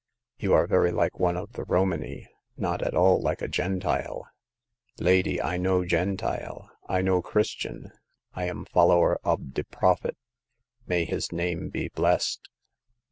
You are very like one of the Romany ; not at all like a Gentile." Lady, I no Gentile, I no Christian ; I am follower ob de Prophet. May his name be blessed